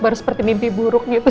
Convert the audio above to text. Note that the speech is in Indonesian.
baru seperti mimpi buruk gitu